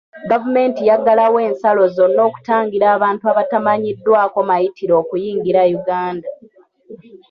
Gavumenti yaggalawo ensalo zonna okutangira abantu abatamanyiddwako mayitire okuyingira Uganda.